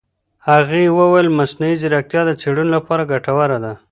هغې وویل مصنوعي ځیرکتیا د څېړنو لپاره ګټوره ده.